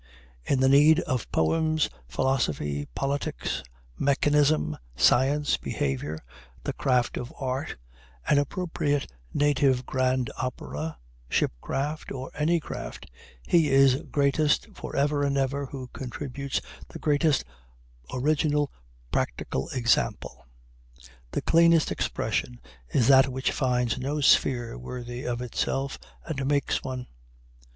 In the need of poems, philosophy, politics, mechanism, science, behavior, the craft of art, an appropriate native grand opera, shipcraft, or any craft, he is greatest for ever and ever who contributes the greatest original practical example. The cleanest expression is that which finds no sphere worthy of itself, and makes one.